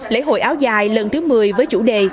lễ hội áo dài lần thứ một mươi với chủ đề